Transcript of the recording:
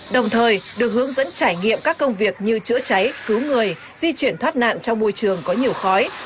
đồng thời được hướng dẫn trải nghiệm các công việc như chữa cháy cứu người di chuyển thoát nạn trong môi trường có nhiều khói